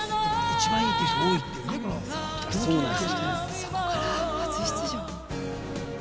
そこから初出場。